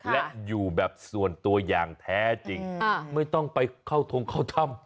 และอยู่แบบส่วนตัวอย่างแท้จริงไม่ต้องไปเข้าทงเข้าถ้ำ